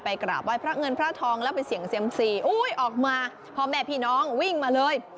กราบไห้พระเงินพระทองแล้วไปเสี่ยงเซียมซีอุ้ยออกมาพ่อแม่พี่น้องวิ่งมาเลย